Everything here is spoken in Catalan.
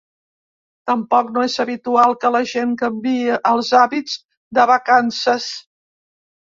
Tampoc no és habitual que la gent canviï els hàbits de vacances.